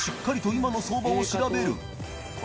今の相場を調べる磴